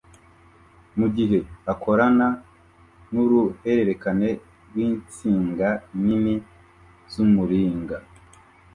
mugihe akorana nuruhererekane rwinsinga nini z'umuringa